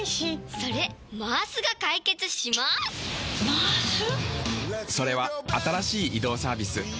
それは新しい移動サービス「ＭａａＳ」。